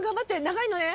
長いのね。